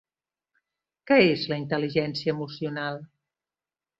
Què és la intel·ligència emocional?